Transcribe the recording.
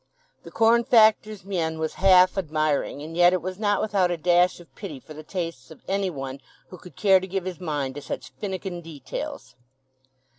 The corn factor's mien was half admiring, and yet it was not without a dash of pity for the tastes of any one who could care to give his mind to such finnikin details.